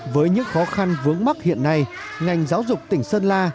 với những khó khăn vướng mắc hiện nay ngành giáo dục tỉnh sơn la